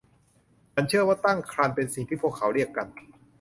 ฉันเชื่อว่าตั้งครรภ์เป็นสิ่งที่พวกเขาเรียกกัน